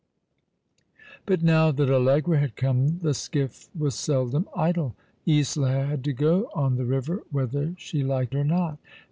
But now that Allegra had come the skijff was seldom idle. Isola had to go on the river w^hether she liked or not.